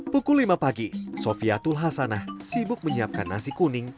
pukul lima pagi sofiatul hasanah sibuk menyiapkan nasi kuning